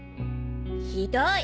「ひどい！